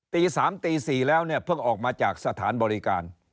ตี๓ตี๔แล้วเนี่ยเพิ่งออกมาจากสถานบริการ